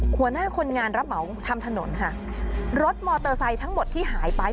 หัวหน้าคนงานรับเหมาทำถนนค่ะรถมอเตอร์ไซค์ทั้งหมดที่หายไป